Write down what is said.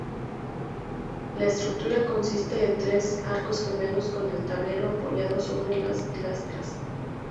La estructura consiste en tres arcos gemelos con el tablero apoyado sobre pilastras.